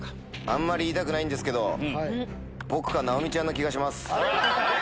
あんまり言いたくないんですけど僕か直美ちゃんな気がします。